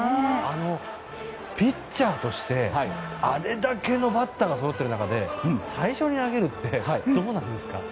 ピッチャーとしてあれだけのバッターがそろっている中で最初に投げるってどうなんですか。